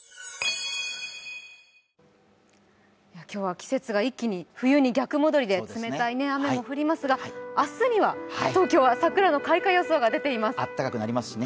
今日は季節が一気に冬に逆戻りで冷たい雨も降りますが明日には東京は桜の開花予想が出ています。